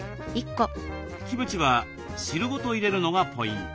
キムチは汁ごと入れるのがポイント。